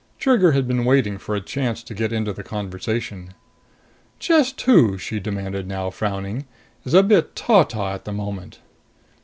Trigger had been waiting for a chance to get into the conversation. "Just who," she demanded now, frowning, "is a bit ta ta at the moment?"